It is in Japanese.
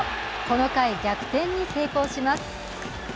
この回、逆転に成功します。